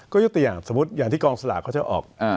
ก็ยกตัวอย่างสมมุติอย่างที่กองสลากเขาจะออก